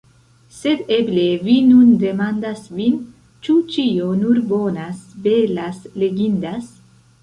Sed eble vi nun demandas vin, ĉu ĉio nur bonas, belas, legindas.